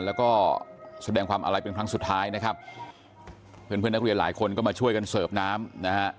แล้วก็แสดงความอาลัยเป็นครั้งสุดท้ายนะครับเพื่อนเพื่อนนักเรียนหลายคนก็มาช่วยกันเสิร์ฟน้ำนะฮะ